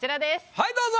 はいどうぞ！